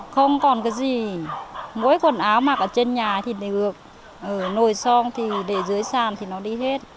không còn cái gì mỗi quần áo mặc ở trên nhà thì được nồi song thì để dưới sàn thì nó đi hết